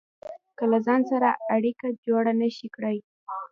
که له ځان سره اړيکه جوړه نشئ کړای.